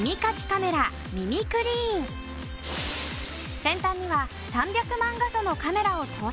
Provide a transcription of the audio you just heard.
最新鋭の先端には３００万画素のカメラを搭載。